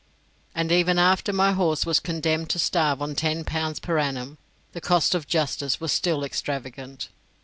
And even after my horse was condemned to starve on ten pounds per annum, the cost of justice was still extravagant.